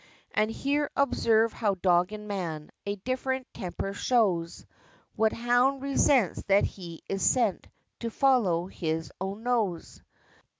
And here observe how dog and man, A different temper shows, What hound resents that he is sent To follow his own nose?